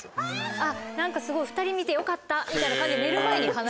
何かすごい２人見てよかったみたいな感じで。